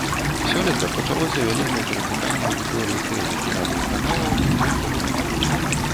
Сёлета пачалося вялізнае перацяканне аўдыторыі тэле- і радыёканалаў у інтэрнэт.